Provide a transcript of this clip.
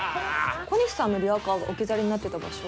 小西さんのリアカーが置き去りになってた場所。